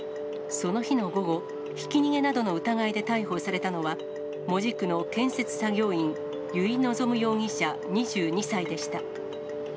その日の午後、ひき逃げなどの疑いで逮捕されたのは、門司区の建設作業員、由井希容疑者２２歳でした。